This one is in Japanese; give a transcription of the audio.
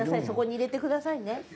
そこに入れてくださいね。